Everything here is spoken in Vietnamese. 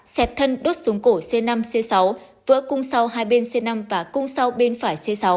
xẹp thân đốt xuống cổ c năm c sáu vỡ cung sau hai bên c năm và cung sau bên phải c sáu